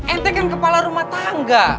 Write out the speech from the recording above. etek kan kepala rumah tangga